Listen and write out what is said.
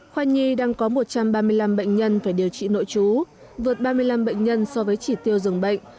khoa nhi đang có một trăm ba mươi năm bệnh nhân phải điều trị nội chú vượt ba mươi năm bệnh nhân so với chỉ tiêu dùng bệnh